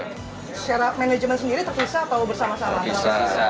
share up manajemen sendiri terpisah atau bersama sama